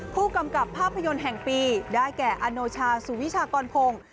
ผู้กำกับภาพยนตร์แห่งปีได้แก่อโนชาสุวิชากรพงศ์